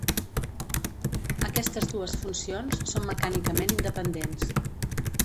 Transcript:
Aquestes dues funcions són mecànicament independents.